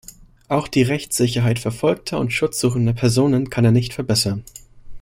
Auch die Rechtssicherheit verfolgter und schutzsuchender Personen kann er nicht verbessern.